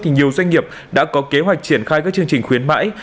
thì nhiều doanh nghiệp đã có kế hoạch triển khai các chương trình khuyến mãi